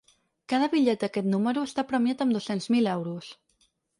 Cada bitllet d’aquest número està premiat amb dos-cents mil euros.